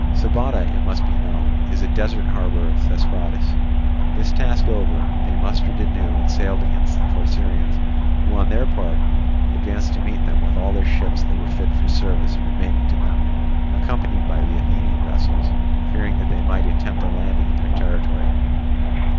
Sybota, it must be known, is a desert harbour of Thesprotis. This task over, they mustered anew, and sailed against the Corcyraeans, who on their part advanced to meet them with all their ships that were fit for service and remaining to them, accompanied by the Athenian vessels, fearing that they might attempt a landing in their territory.